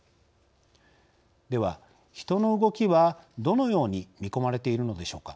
では人の動きはどのように見込まれているのでしょうか。